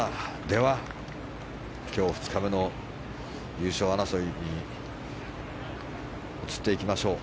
では今日、２日目の優勝争いに移っていきましょう。